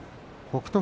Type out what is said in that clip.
北勝